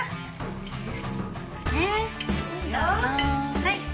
はい。